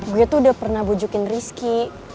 gue tuh udah pernah bujukin rizky